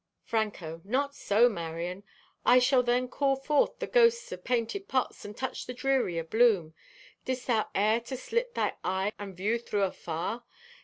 (Franco) "Not so, Marion, I shall then call forth the ghosts o' painted pots and touch the dreary abloom. Didst thou e'er to slit thy eye and view thro' afar?